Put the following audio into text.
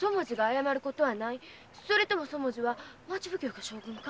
それともそもじは町奉行か将軍か？